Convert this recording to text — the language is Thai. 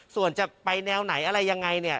ส่วนจะไปแนวไหนอะไรยังไงเนี่ย